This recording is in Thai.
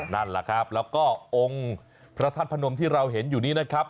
นั่นแหละครับแล้วก็องค์พระธาตุพนมที่เราเห็นอยู่นี้นะครับ